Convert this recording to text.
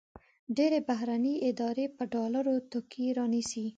ډېری بهرني ادارې په ډالرو توکي رانیسي.